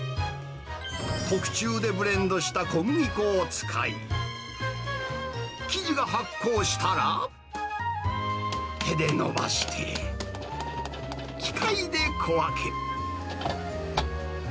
特注でブレンドした小麦粉を使い、生地が発酵したら、手で伸ばして、機械で小分け。